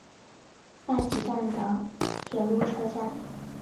大崎站的铁路车站。